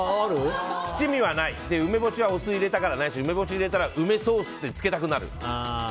七味はない、梅干しはお酢入れたからないし梅干し入れたら梅ソースってつけたくなる。